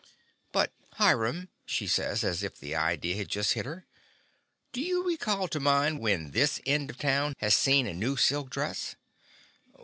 But, Hiram/' she says, as if the idee had just hit her, "do you re call to mind when this end of town has seen a new silk dress"?''